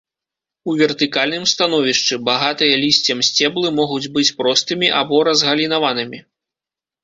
У вертыкальным становішчы, багатыя лісцем сцеблы могуць быць простымі або разгалінаванымі.